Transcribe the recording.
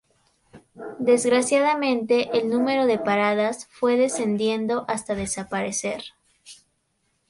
Desgraciadamente el número de paradas fue descendiendo hasta desaparecer.